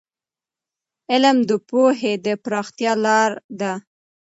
علم د پوهې د پراختیا لار ده.